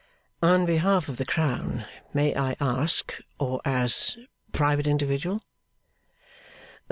'On behalf of the Crown, may I ask, or as private individual?